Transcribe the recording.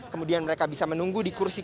kemudian mereka bisa menunggu di kursi